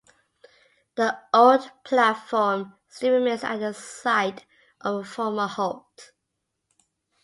The old platform still remains at the site of the former halt.